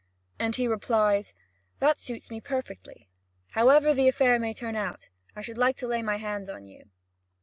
And he replies: "That suits me perfectly. However the affair may turn out, I should like to lay my hands on you."